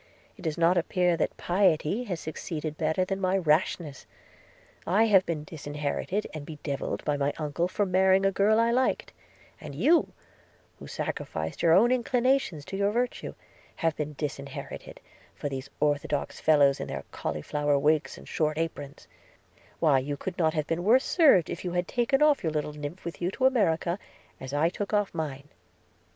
it does not appear that thy piety has succeeded better than my rashness: – I have been disinherited and bedeviled by my uncle for marrying a girl I liked – and you, who sacrificed your own inclinations to your vartue, have been disinherited, for these orthodox fellows in their cauliflower wigs and short aprons – Why, you could not have been worse served, if you had taken off your little nymph with you to America, as I took off mine.'